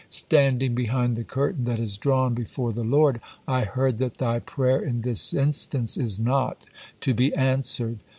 Standing behind the curtain that is drawn before the Lord, I heard that thy prayer in this instance is not to be answered."